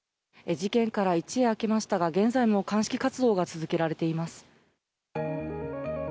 事件から一夜明けましたが現在も鑑識活動が続けられています。